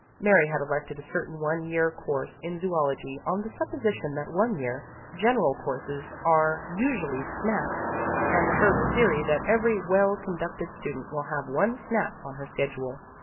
Mary had elected a certain one year course in zoology on the supposition that one year, general courses are usually "snaps," and the further theory that every well conducted student will have one "snap" on her schedule.